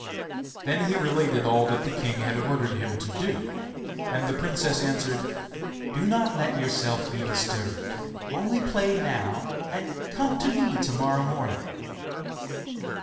Then he related all that the king had ordered him to do, and the princess answered: 'Do not let yourself be disturbed, only play now, and come to me to morrow morning.